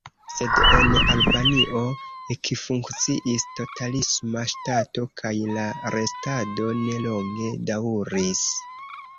Sed en Albanio ekfunkciis totalisma ŝtato kaj la restado ne longe daŭris.